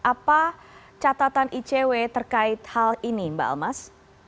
apa catatan icw terkait hal ini mbak almas